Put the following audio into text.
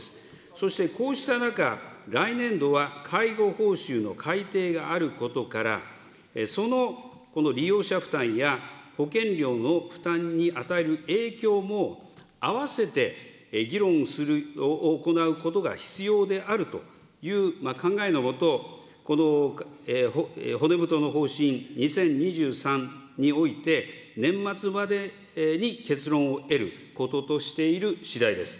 そして、こうした中、来年度は介護報酬の改定があることから、その、この利用者負担や保険料の負担に与える影響も併せて議論する、行うことが必要であるという考えのもと、この骨太の方針２０２３において、年末までに結論を得ることとしているしだいです。